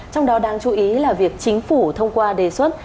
trong đó đáng chú ý là việc chính phủ thông qua đề xuất